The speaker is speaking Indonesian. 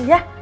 oke kasih bi